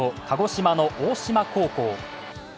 鹿児島の大島高校。